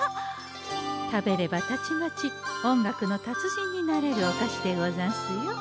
食べればたちまち音楽の達人になれるお菓子でござんすよ。